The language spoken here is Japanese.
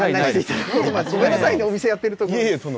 ごめんなさいね、お店やっているところに。